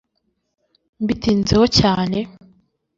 mbitinzeho cyane